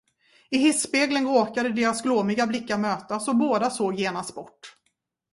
I hisspegeln råkade deras glåmiga blickar mötas, och båda såg genast bort.